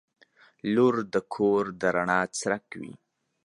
• لور د کور د رڼا څرک وي.